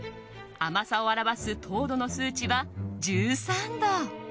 甘さを表す糖度の数値は１３度。